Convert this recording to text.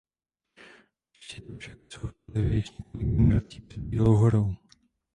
Určitě tu však jsou spolehlivě již několik generací před Bílou horou.